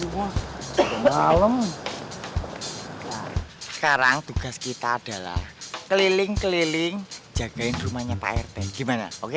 sekarang tugas kita adalah keliling keliling jagain rumahnya pak rt gimana oke